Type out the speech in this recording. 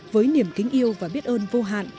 với niềm kính yêu và biết ơn vô hạn